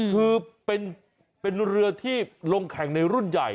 คือเป็นเรือที่ลงแข่งในรุ่นใหญ่